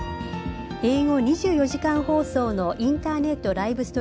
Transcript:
英語２４時間放送のインターネットライブ